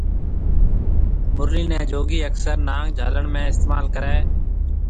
مُرلي ني جوگي اڪثر نانگ جھالڻ ۾ استعمال ڪري